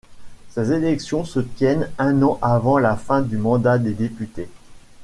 Ces élections se tiennent un an avant la fin du mandat des députés.